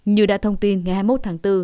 như đã thông tin ngày hai mươi một tháng bốn